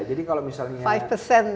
jadi kalau misalnya